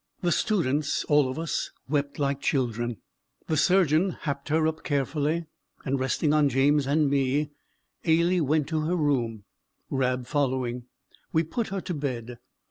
The students all of us wept like children; the surgeon happed her up carefully and, resting on James and me, Ailie went to her room, Rab following. We put her to bed.